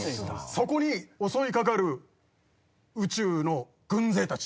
そこに襲い掛かる宇宙の軍勢たち。